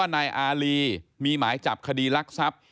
นายอารีมีหมายจับคดีรักทรัพย์